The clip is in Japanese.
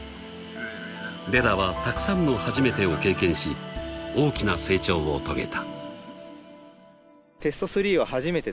［レラはたくさんの初めてを経験し大きな成長を遂げた］